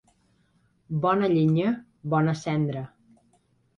Bona llenya, bona cendra.